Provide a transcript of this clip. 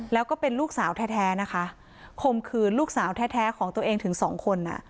แล้วก็เป็นลูกสาวแท้นะคะคมคืนลูกสาวแท้ของตัวเองถึงสองคน